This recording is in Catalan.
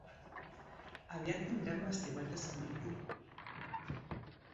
Aviat tindrem l'estiuet de Sant Martí.